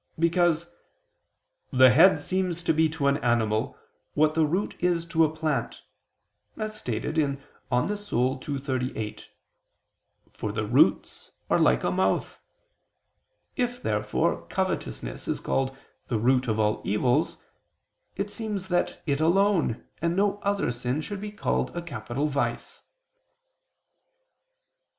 Because "the head seems to be to an animal, what the root is to a plant," as stated in De Anima ii, text. 38: for the roots are like a mouth. If therefore covetousness is called the "root of all evils," it seems that it alone, and no other sin, should be called a capital vice.